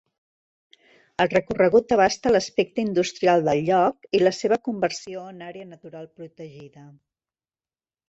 El recorregut abasta l'aspecte industrial del lloc i la seva conversió en àrea natural protegida.